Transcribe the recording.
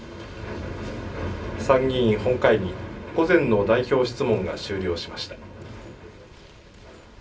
参議院本会議、午前の代表質問が終了しました。